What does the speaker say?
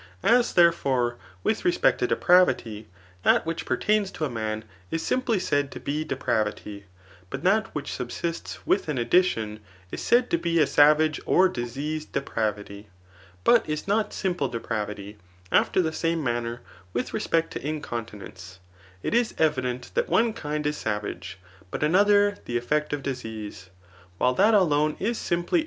As, therefore, with req>ect to de|M^vity, that which pertains to man, is simply said to be depravity ; but that which subsists with an additioDy is said to be a savage or diseased depravity, but is not simple depravity ; after the same manner with respect to incontinence, it is evident that one kind is savage but another the effect of disease, while that alone is simply hn continence which subsists according to human intempe rance.